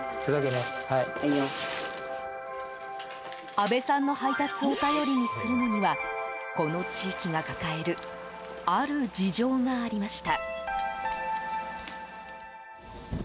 阿部さんの配達を頼りにするのにはこの地域が抱えるある事情がありました。